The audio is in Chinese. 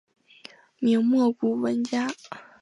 明末古文家。